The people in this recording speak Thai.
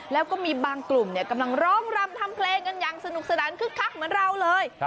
แล้วก็มีบางกลุ่มกำลังร้องรำทำเพลงกันอย่างสนุกสนานคึกคักเหมือนเราเลย